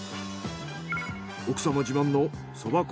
奥様自慢のそば粉